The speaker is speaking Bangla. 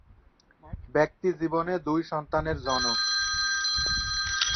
ব্যক্তিজীবনে দুই সন্তানের জনক।